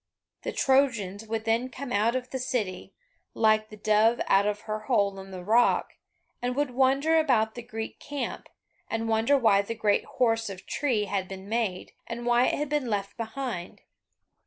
The Trojans would then come out of the city, like the dove out of her hole in the rock, and would wander about the Greek camp, and wonder why the great horse of tree had been made, and why it had been left behind.